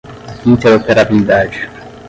interoperabilidade